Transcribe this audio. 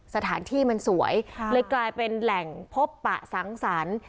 สถานที่มันสวยเลยกลายเป็นแหล่งพบปะสังสรรค์